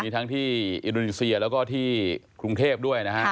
ทั้งที่อินโดนีเซียแล้วก็ที่กรุงเทพด้วยนะฮะ